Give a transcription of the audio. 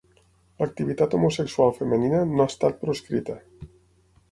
L'activitat homosexual femenina no ha estat proscrita.